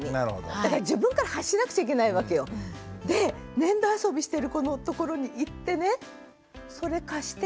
だから自分から発しなくちゃいけないわけよ。で粘土遊びしてる子の所に行ってねへえ。